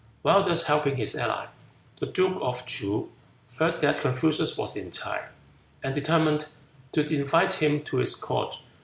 While thus helping his ally, the Duke of Ts'oo heard that Confucius was in Ts'ae, and determined to invite him to his court.